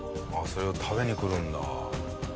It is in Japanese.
それを食べに来るんだ。